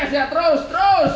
terus ya terus terus